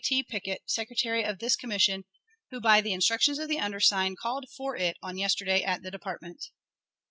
T. Pickett, secretary of this commission, who, by the instructions of the undersigned, called for it on yesterday at the department.